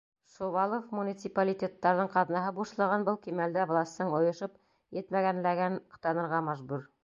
Шувалов муниципалитеттарҙың ҡаҙнаһы бушлығын, был кимәлдә властың ойошоп етмәгәнләгән танырға мәжбүр.